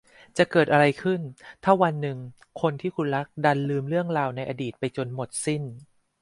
จะเกิดอะไรขึ้นถ้าวันหนึ่งคนที่คุณรักดันลืมเรื่องราวในอดีตไปจนหมดสิ้น